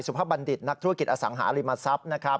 สุภบัณฑิตนักธุรกิจอสังหาริมทรัพย์